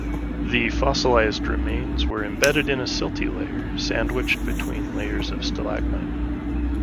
The fossilized remains were embedded in a silty layer sandwiched between layers of stalagmite.